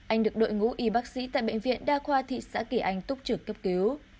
anh được đội ngũ y bác sĩ tại bệnh viện đa khoa thị xã kỳ anh túc trực cấp cứu